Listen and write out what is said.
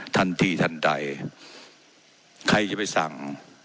ทันทีทันใดใครจะไปสั่ง